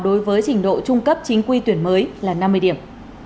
đối với trình độ trung cấp chính quy tuyển mới là năm mươi điểm